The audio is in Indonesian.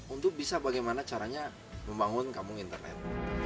untuk bisa bagaimana caranya membangun kampung internet